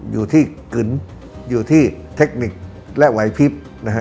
อยู่ที่กึ๋นอยู่ที่เทคนิคและวัยพิพย์